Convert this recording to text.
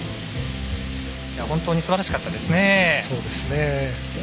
本当にすばらしかったですね。